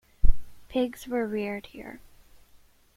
Pigs were reared here.